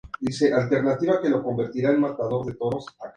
El juego está basado en la película homónima de Disney, Bolt.